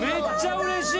うれしい。